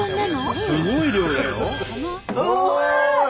すごい量だよ。